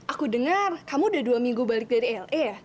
aku dengar kamu udah dua minggu balik dari la ya